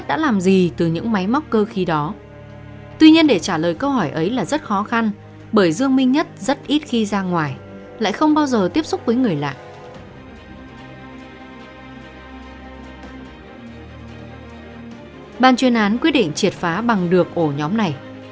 ban chuyên án quyết định triệt phá bằng được ổ nhóm này